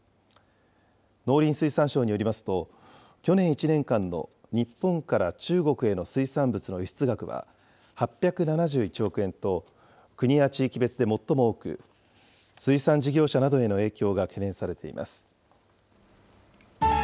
農林水産省によりますと、去年１年間の日本から中国への水産物の輸出額は８７１億円と、国や地域別で最も多く、水産事業者などへの影響が懸念されています。